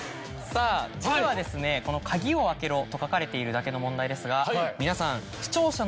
さぁ実はこの「鍵を開けろ」と書かれているだけの問題ですが皆さん。